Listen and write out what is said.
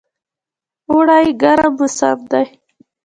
اوړی ګرم موسم دی